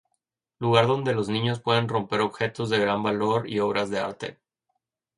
Lugar donde los niños pueden romper objetos de gran valor y obras de arte.